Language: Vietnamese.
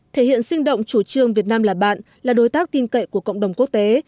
thể hiện sinh động chủ trương việt nam là bạn là đối tác tin cậy của cộng đồng quốc tế